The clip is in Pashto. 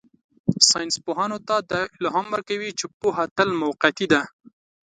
ساینسپوهانو ته دا الهام ورکوي چې پوهه تل موقتي ده.